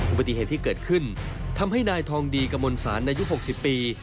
อุปกติเห็นที่เกิดขึ้นทำให้นายทองดีกำลังสารในยุค๖๐ปี